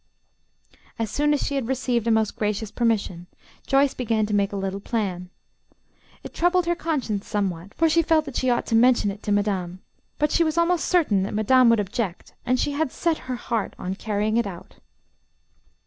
As soon as she had received a most gracious permission, Joyce began to make a little plan. It troubled her conscience somewhat, for she felt that she ought to mention it to madame, but she was almost certain that madame would object, and she had set her heart on carrying it out.